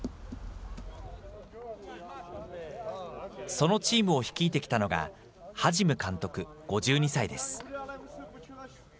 そのチームを率いてきたのが、ハジム監督５２歳です。